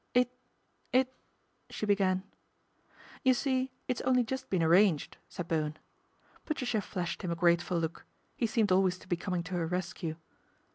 " It it " she began. " You see, it's only just been arranged," said Bowen. Patricia flashed him a grateful look, he seemed always to be coming to her rescue.